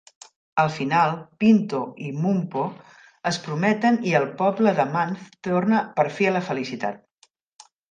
Al final, Pinto i Mumpo es prometen i el poble de Manth torna per fi a la felicitat.